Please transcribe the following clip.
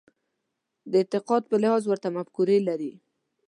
د اعتقاد په لحاظ ورته مفکورې لري.